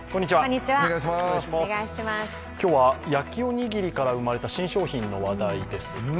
今日は焼きおにぎりから生まれた新商品の話題です。